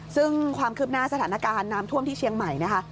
ซึ่งความคืบหน้าสถานการณ์น้ำท่วมที่เชียงใหม่นะคะ